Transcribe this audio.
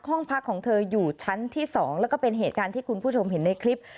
ห้องพักของเธออยู่ชั้นที่๒แล้วก็เป็นเหตุการณ์ที่คุณผู้ชมเห็นในคลิป